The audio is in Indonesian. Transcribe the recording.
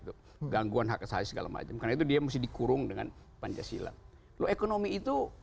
tuh gangguan hak asasi segala macam karena itu dia mesti dikurung dengan pancasila lo ekonomi itu